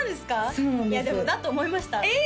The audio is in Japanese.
そうなんですいやでもだと思いましたえ！